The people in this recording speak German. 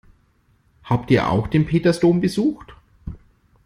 Habt ihr auch den Petersdom besucht?